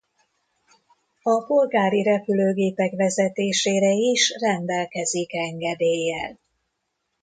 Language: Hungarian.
A polgári repülőgépek vezetésére is rendelkezik engedéllyel.